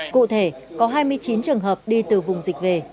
cụ thể có hai mươi chín trường hợp đi từ vùng dịch về